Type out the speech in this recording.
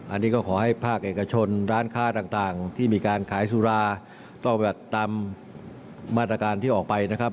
อันนี้ก็ขอให้ภาคเอกชนร้านค้าต่างที่มีการขายสุราต้องแบบตามมาตรการที่ออกไปนะครับ